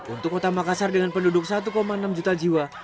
untuk kota makassar dengan penduduk satu enam juta jiwa